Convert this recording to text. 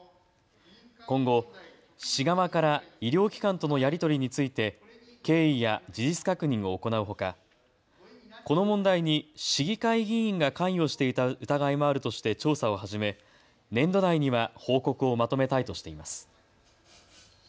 今後、市側から医療機関とのやり取りについて経緯や事実確認を行うほかこの問題に市議会議員が関与していた疑いもあるとして調査を始め年度内には報告をまとめたいとしています。